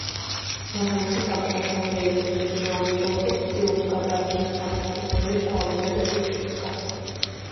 მოთამაშე საკუთარ თავზე ირგებს რჩეულის როლს და ცდილობს გადაარჩინოს საკუთარი სოფელი გვალვისა და შიმშილისგან.